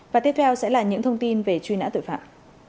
và tiếp theo sẽ là những thông tin về truy nã tội phạm